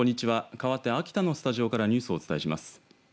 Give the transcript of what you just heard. かわって秋田のスタジオからニュースをお伝えします。